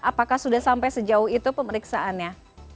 apakah sudah sampai sejauh itu pemeriksaannya